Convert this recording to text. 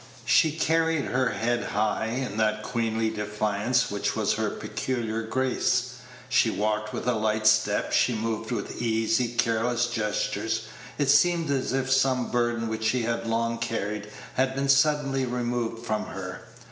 She carried her head high, in that queenly defiance which was her peculiar grace. She walked with a light step; she moved with easy, careless gestures. It seemed as if some burden which she had long carried had been suddenly removed from her.